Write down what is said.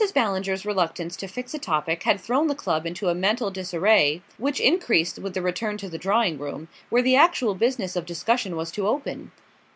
Ballinger's reluctance to fix a topic had thrown the club into a mental disarray which increased with the return to the drawing room, where the actual business of discussion was to open.